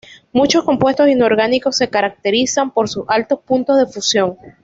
Muchos compuestos inorgánicos se caracterizan por sus altos puntos de fusión.